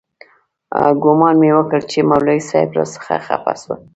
ګومان مې وکړ چې مولوي صاحب راڅخه خپه سو.